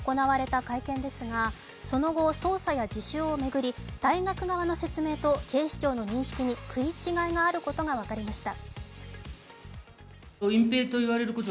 ２時間を超え行われた会見ですが、その後、捜査や自主を巡り大学側の説明と警視庁の認識に食い違いがあることが分かりました。